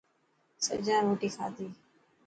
سڄان روتي کاڌي.